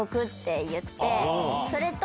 それと。